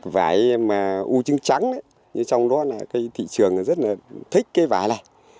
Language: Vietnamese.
vải mà u trưng trắng trong đó thị trường rất thích cái vải này